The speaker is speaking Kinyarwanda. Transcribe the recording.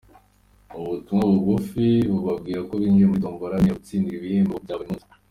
Ubu butumwa bugufi bubabwira ko binjiye muri tombora ibemerera gutsindira ibihembo bya buri munsi.